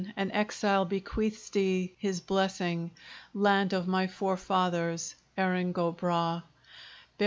an exile bequeaths thee his blessing! Land of my forefathers! Erin go bragh!